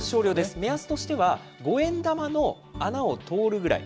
目安としては、五円玉の穴を通るぐらい。